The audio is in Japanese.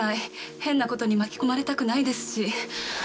変な事に巻き込まれたくないですし。